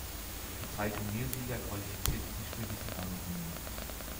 Die drei Turniersieger qualifizierten sich für die Finalrunde.